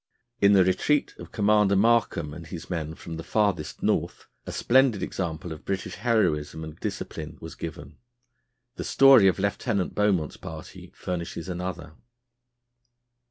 In the retreat of Commander Markham and his men from the "farthest North," a splendid example of British heroism and discipline was given. The story of Lieutenant Beaumont's party furnishes another.